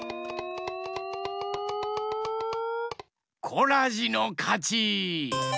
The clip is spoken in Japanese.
コラジのかち！